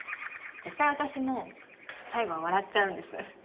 実際私も最後は笑っちゃうんです。